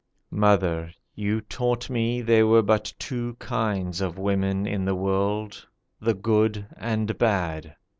Mother, you taught me there were but two kinds Of women in the world—the good and bad.